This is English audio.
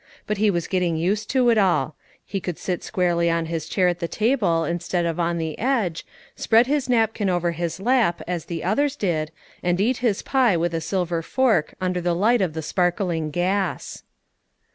But he was getting used to it all; he could sit squarely on his chair at the table instead of on the edge, spread his napkin over his lap as the others did, and eat his pie with a silver fork under the light of the sparkling gas.